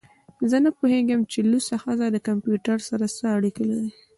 زه نه پوهیږم چې لوڅه ښځه له کمپیوټر سره څه اړیکه لري